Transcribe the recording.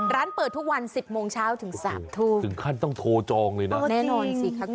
ร้านเปิดทุกวันสิบโมงเช้าถึงสามทุ่มถึงขั้นต้องโทรจองเลยนะแน่นอนสิคะคุณ